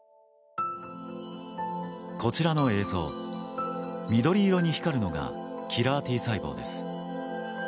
こちらの映像、緑色に光るのがキラーＴ細胞です。